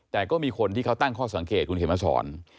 แต่ก็มีคนที่เขาตั้งข้อสังเกตคุณเขียนมาสอน